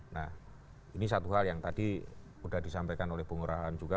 nah ini satu hal yang tadi sudah disampaikan oleh bung rahan juga